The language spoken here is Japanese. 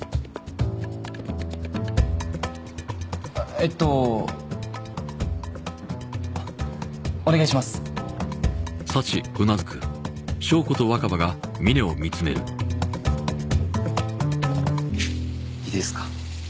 えっとお願いしますいいですか？